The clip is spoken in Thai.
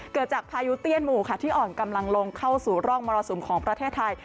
เกิดจากพายุเตี้ยนหมู่ค่ะที่อ่อนกำลังลงเข้าสู่ร่องมรสุมของประเทศไทย